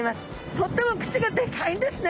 とっても口がでかいんですね。